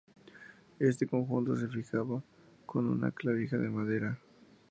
Este conjunto se fijaba con una clavija de madera.